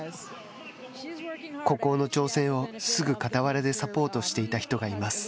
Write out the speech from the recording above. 孤高の挑戦を、すぐ傍らでサポートしていた人がいます。